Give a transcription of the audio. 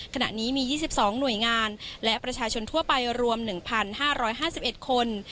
ขณะนี้มี๒๒หน่วยงานและประชาชนทั่วไปรวม๑๕๕๑คน